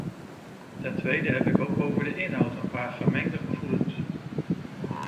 Ten tweede heb ik ook over de inhoud een paar gemengde gevoelens.